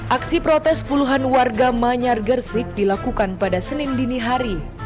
aksi protes puluhan warga manyar gresik dilakukan pada senin dinihari